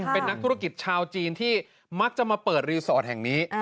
เป็นนักธุรกิจชาวจีนที่มักจะมาเปิดรีสอร์ทแห่งนี้